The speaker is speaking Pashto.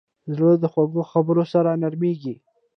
زړه د خوږو خبرو سره نرمېږي.